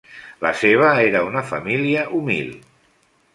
La seva era una família humil.